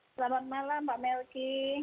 selamat malam pak melki